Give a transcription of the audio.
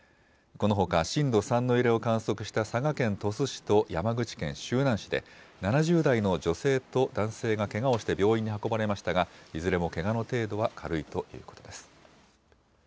このほか震度３の揺れを観測した佐賀県鳥栖市と山口県周南市で７０代の女性と男性がけがをして病院に運ばれましたが、いずれもけがの程度は軽いということです。